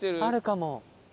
あるかも。